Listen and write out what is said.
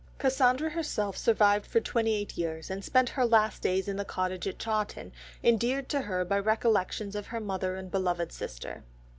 Cassandra herself survived for twenty eight years, and spent her last days in the cottage at Chawton endeared to her by recollections of her mother and beloved sister.